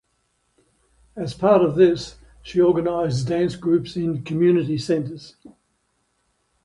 As part of this she organised dance groups in community centres.